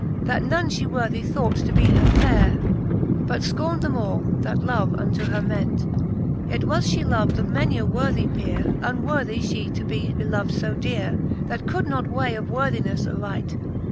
That none fhe worthy thought to be her fere. But fcornd them all, that love unto her ment ; Yet was fhe lov"'d of many a worthy pere. Unworthy fhe to be belov'd fo dere, That could not weigh of worthinefTe aright..